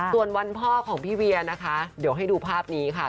ส่วนวันพ่อของพี่เวียนะคะเดี๋ยวให้ดูภาพนี้ค่ะ